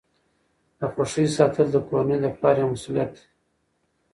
د خوښۍ ساتل د کورنۍ د پلار یوه مسؤلیت ده.